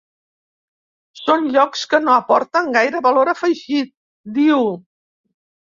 “Són llocs que no aporten gaire valor afegit”, diu.